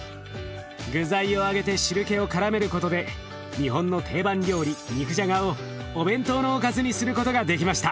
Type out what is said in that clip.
具材を揚げて汁けをからめることで日本の定番料理肉じゃがをお弁当のおかずにすることができました。